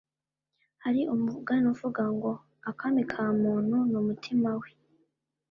Hari umugani uvuga ngo akami kamuntu numutima we